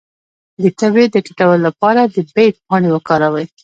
د تبې د ټیټولو لپاره د بید پاڼې وکاروئ